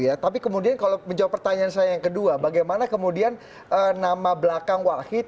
ya tapi kemudian kalau menjawab pertanyaan saya yang kedua bagaimana kemudian nama belakang wahid